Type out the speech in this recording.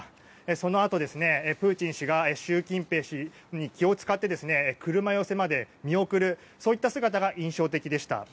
そのあと、プーチン氏が習近平氏に気を使って車寄せまで見送る姿が印象的でした。